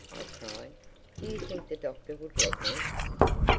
I cried. "Do you think the Doctor would let me?"